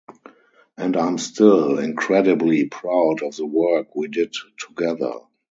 And I'm still incredibly proud of the work we did together.